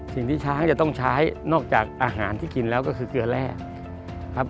สิ่งที่ช้างจะต้องใช้นอกจากอาหารที่กินแล้วก็คือเกลือแร่ครับ